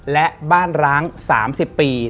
และบ้านร้าง๓๐ปี